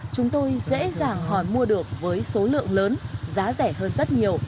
chúng tôi dễ dàng hỏi mua được với số lượng lớn giá rẻ hơn rất nhiều